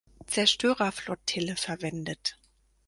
Zerstörerflottille verwendet.